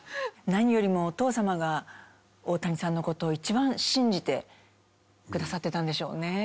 何よりもお父様が大谷さんの事を一番信じてくださってたんでしょうね。